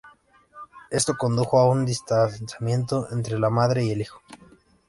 Esto condujo a un distanciamiento entre la madre y el hijo.